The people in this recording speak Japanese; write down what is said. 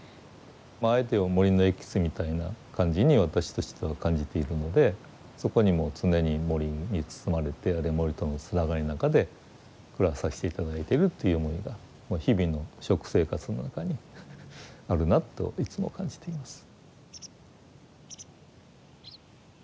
あえて言えば森のエキスみたいな感じに私としては感じているのでそこにもう常に森に包まれてあるいは森とのつながりの中で暮らさせて頂いているっていう思いがもう日々の食生活の中にあるなといつも感じています。